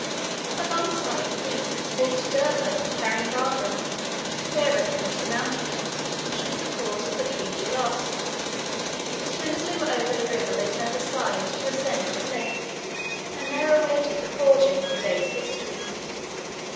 Alongside the beasts walked Derba carrying Barbara their refuge the mountains, should the cause of the king be lost; as soon as they were over the river they turned aside to ascend the Cliff, and there awaited the forging of the day's history.